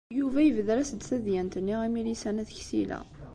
Yuba yebder-as-d tadyant-nni i Milisa n At Ksila.